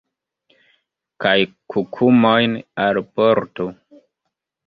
Kaj kukumojn alportu.